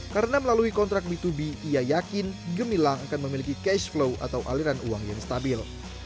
karena melalui kontrak b dua b ia yakin gemilang akan memiliki cash flow atau aliran uang yang stabil